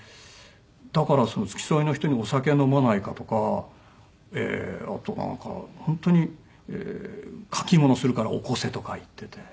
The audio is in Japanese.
だからその付き添いの人に「お酒飲まないか？」とかええあとなんか本当に「書き物するから起こせ」とか言ってて。